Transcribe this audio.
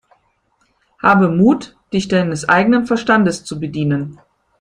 Habe Mut, dich deines eigenen Verstandes zu bedienen!